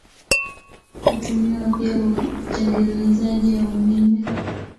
Hutumiwa pia kwa utengenezaji wa umeme.